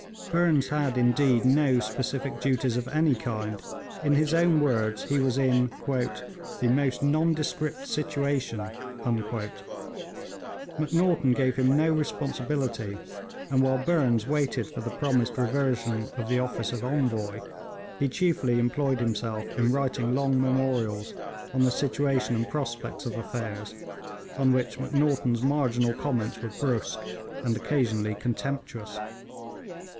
Burnes had, indeed, no specific duties of any kind; in his own words, he was in 'the most nondescript situation.' Macnaghten gave him no responsibility, and while Burnes waited for the promised reversion of the office of envoy, he chiefly employed himself in writing long memorials on the situation and prospects of affairs, on which Macnaghten's marginal comments were brusque, and occasionally contemptuous.